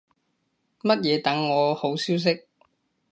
乜嘢等我好消息